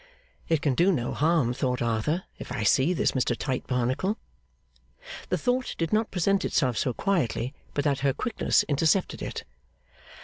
'It can do no harm,' thought Arthur, 'if I see this Mr Tite Barnacle.' The thought did not present itself so quietly but that her quickness intercepted it.